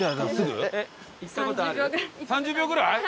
３０秒ぐらい？